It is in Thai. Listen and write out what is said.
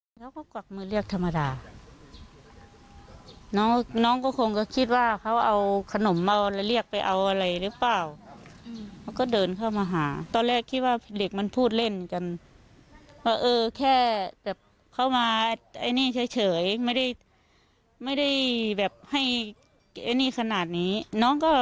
นี่แหละครับตำรวจต้องทำงานให้เร็วแบบนี้นะครับคดีแบบนี้เนี่ย